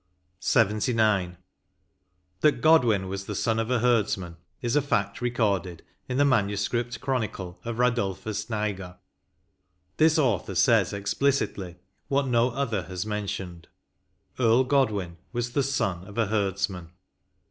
158 LXXIX. '' That Godwin was the son of a herdsman is a fact recorded in the MS. Chronicle of Radulphus Niger. This author says explicitly what no other has mentioned — ^Earl Godwin was the son of a herdsman."